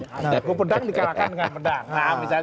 jago pedang dikalahkan dengan pedang